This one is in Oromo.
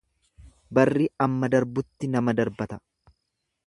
Barri amma darbutti nama darbata.